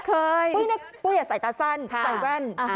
ปุ้ยอย่าใส่ตาสั้นใส่แว่น